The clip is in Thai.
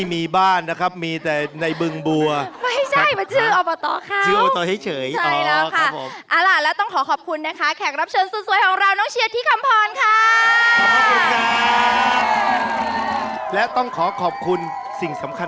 ถ้าขาดอีซูซูดีแม็กซ์ค่ะ